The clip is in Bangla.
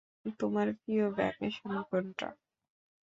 তোমার প্রিয় ভ্যাকেশন কোনটা?